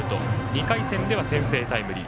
２回戦では先制タイムリー。